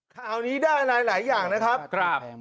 ข่าวนี้ได้อะไรหลายอย่างนะครับ